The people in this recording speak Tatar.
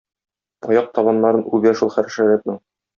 Аяк табаннарын үбә шул хәшәрәтнең.